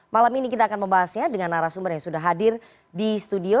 malam ini kita akan membahasnya dengan arah sumber yang sudah hadir di studio